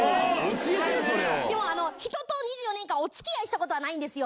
でも、人と２４年間、おつきあいしたことはないんですよ。